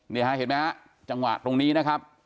เห็นไหมฮะจังหวะตรงนี้นะครับ